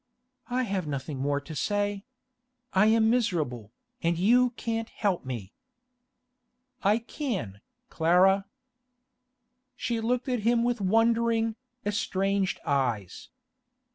'I have nothing more to say. I am miserable, and you can't help me.' 'I can, Clara.' She looked at him with wondering, estranged eyes.